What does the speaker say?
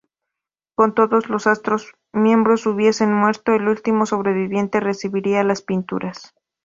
Cuando todos los otros miembros hubiesen muerto, el último sobreviviente recibiría las pinturas.